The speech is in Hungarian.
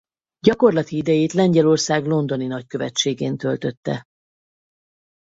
Gyakorlati idejét Lengyelország londoni nagykövetségén töltötte.